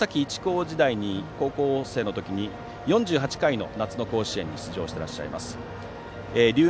竜ヶ崎一校時代高校生の時に４８回の夏の甲子園に出場していらっしゃいます。